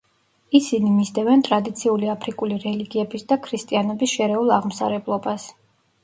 ისინი მისდევენ ტრადიციული აფრიკული რელიგიების და ქრისტიანობის შერეულ აღმსარებლობას.